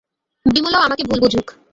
বিমলাও আমাকে ভুল বুঝুক।